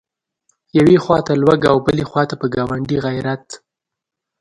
یوې خواته لوږه او بلې خواته په ګاونډي غیرت.